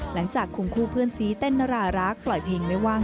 หลังจากคุมคู่เพื่อนซีเต้นนรารักปล่อยเพลงไม่ว่าง